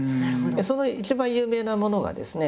その一番有名なものがですね